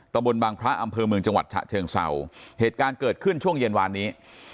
ตะบนบางพระอำเภอเมืองจังหวัดฉะเชิงเศร้าเหตุการณ์เกิดขึ้นช่วงเย็นวานนี้